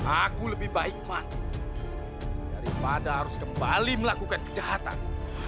aku lebih baik mati daripada harus kembali melakukan kejahatan